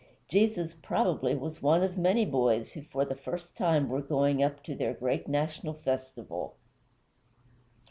Jesus, probably, was one of many boys who for the first time were going up to their great national festival.